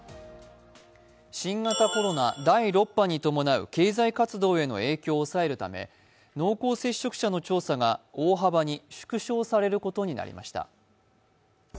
新型コロナ第６波に伴う経済活動への影響を抑えるため、濃厚接触者の調査が大幅に縮小されることになりました。